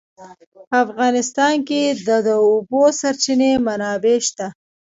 په افغانستان کې د د اوبو سرچینې منابع شته.